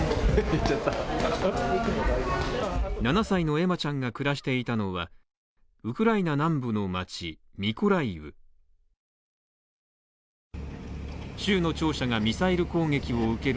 ７歳のエマちゃんが暮らしていたのはウクライナ南部の町ミコライウ。